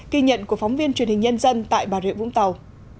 kỳ nhận của phóng viên truyền hình nhân dân tại bà rịa vũng tàu